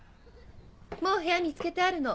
もう部屋見つけてあるの。